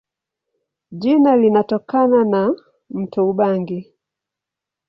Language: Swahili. Jina linatokana na mto Ubangi.